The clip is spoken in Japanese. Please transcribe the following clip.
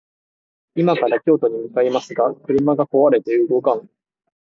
今から京都に向かいますが、車が壊れていて動かん